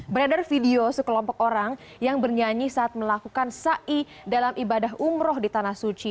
beredar video sekelompok orang yang bernyanyi saat melakukan ⁇ sai ⁇ dalam ibadah umroh di tanah suci